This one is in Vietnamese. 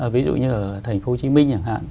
ví dụ như ở thành phố hồ chí minh chẳng hạn